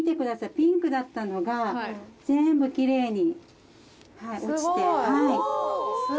ピンクだったのが全部奇麗に落ちて。